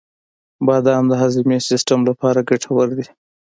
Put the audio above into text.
• بادام د هاضمې سیسټم لپاره ګټور دي.